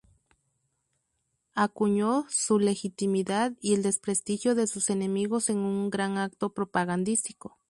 Acuñó su legitimidad y el desprestigio de sus enemigos en un gran acto propagandístico.